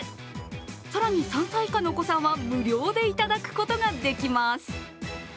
更に、３歳以下のお子さんは無料でいただくことができます。